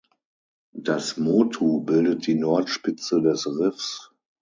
Das Motu bildet die Nordspitze des Riffs.